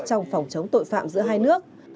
trong phòng chống tội phạm giữa hai nước